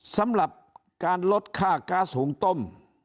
สำหรับการลดค่าก๊าซหุงต้ม